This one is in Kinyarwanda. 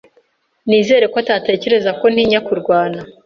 Nizere ko atatekereza ko ntinya kurwana.